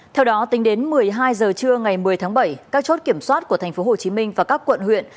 theo đó tính đến một mươi hai h trưa ngày một mươi tháng bảy các chốt kiểm soát của tp hcm và các quận huyện